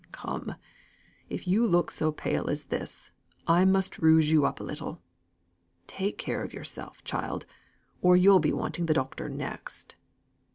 "Come; if you look so pale as this, I must rouge you up a little. Take care of yourself, child, or you'll be wanting the doctor next."